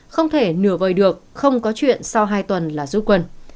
không thể nửa vơi được không có chuyện sau hai tuần là giúp quân